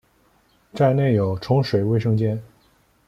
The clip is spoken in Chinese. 站内有冲水卫生间。